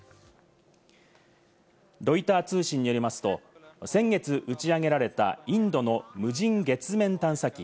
ロイター通信によりますと、先月打ち上げられたインドの無人月面探査機